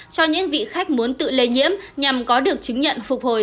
cho những vị khách muốn tự lây nhiễm nhằm có được chứng nhận